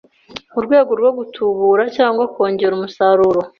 mu rwego rwo gutubura cyangwa kongera umusaruro